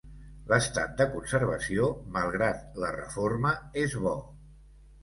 L'estat de conservació, malgrat la reforma, és bo.